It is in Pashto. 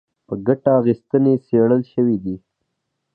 په ګټه اخیستنې څېړل شوي دي